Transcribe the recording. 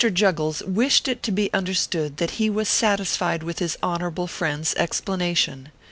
JUGGLES wished it to be understood that he was satisfied with his Honorable friend s explanation.